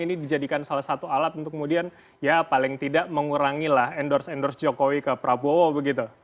ini dijadikan salah satu alat untuk kemudian ya paling tidak mengurangi lah endorse endorse jokowi ke prabowo begitu